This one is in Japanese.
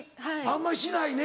あんまりしないね